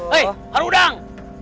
hei haru udang